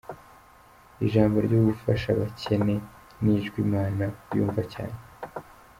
Ijambo ryo gufasha abakene, n’ijwi Imana yumva cyane.